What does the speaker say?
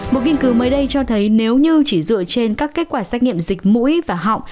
một nghiên cứu mới đây cho thấy nếu như chỉ dựa trên các kết quả xét nghiệm dịch mũi và họng